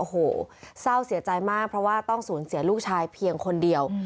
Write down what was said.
โอ้โหเศร้าเสียใจมากเพราะว่าต้องสูญเสียลูกชายเพียงคนเดียว